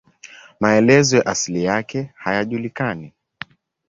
Maelezo ya asili yake hayajulikani.